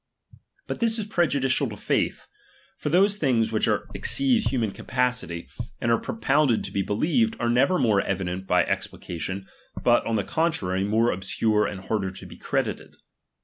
But this is prejudicial to faith ; for those things which exceed human capa city, and are propounded to be believed, are never more evident by explication, but, on the contrary, more obscure and harder to be credited.